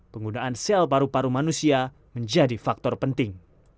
penggunaan sel paru paru manusia menjadi faktor penting